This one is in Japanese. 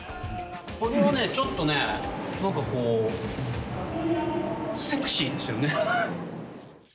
これはね、ちょっとねなんかこうセクシーですよね。